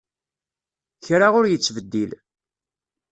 Kra ur yettbeddil.